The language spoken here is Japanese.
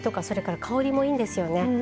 それから香りもいいんですよね。